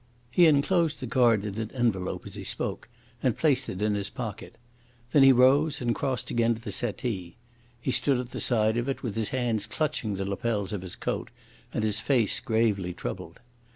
He enclosed the card in an envelope as he spoke, and placed it in his pocket. Then he rose and crossed again to the settee. He stood at the side of it, with his hands clutching the lapels of his coat and his face gravely troubled.